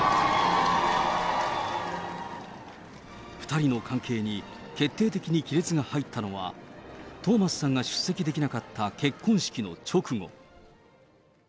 ２人の関係に決定的に亀裂が入ったのは、トーマスさんが出席できなかった結婚式の直後。